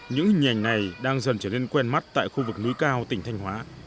những hình ảnh này đang dần trở nên quen mắt tại khu vực núi cao tỉnh thanh hóa